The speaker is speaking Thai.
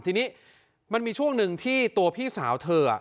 ทีนี้มันมีช่วงหนึ่งที่ตัวพี่สาวเธอ